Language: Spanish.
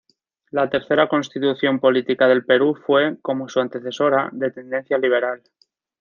La tercera Constitución Política del Perú fue, como su antecesora, de tendencia liberal.